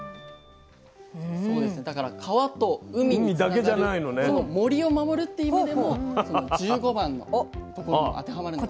だから川と海につながるその森を守るっていう意味でもその１５番のところも当てはまるんじゃないかなと。